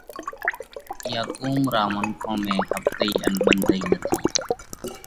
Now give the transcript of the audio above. اِيئا قُوم رون منکون ۾ ۿپتئِي ان ٻنڌئِي نٿِي